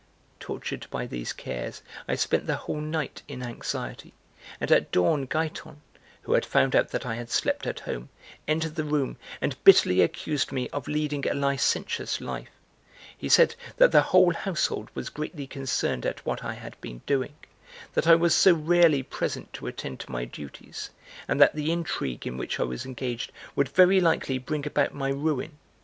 (Tortured by these cares I spent the whole night in anxiety, and at dawn, Giton, who had found out that I had slept at home, entered the room and bitterly accused me of leading a licentious life; he said that the whole household was greatly concerned at what I had been doing, that I was so rarely present to attend to my duties, and that the intrigue in which I was engaged would very likely bring about my ruin.